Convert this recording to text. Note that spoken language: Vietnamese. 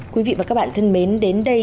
quý vị và các bạn thân mến đến đây